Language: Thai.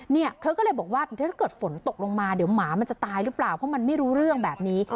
เนี่ยเธอก็เลยบอกว่าถ้าเกิดฝนตกลงมาเดี๋ยวหมามันจะตายหรือเปล่าเพราะมันไม่รู้เรื่องแบบนี้